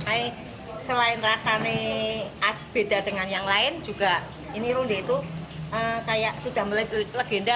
tapi selain rasanya beda dengan yang lain juga ini runde itu kayak sudah mulai legenda